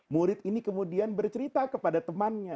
murid ini kemudian bercerita kepada temannya